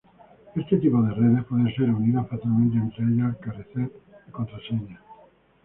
Este tipo de redes pueden ser unidas fácilmente entre ellas al carecer de contraseña.